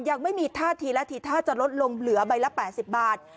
ยังไม่มีท่าทีและทีท่าจะลดลงเหลือใบละ๘๐บาท